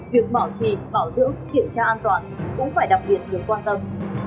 việc bảo trì bảo dưỡng kiểm tra an toàn cũng phải đặc biệt được quan tâm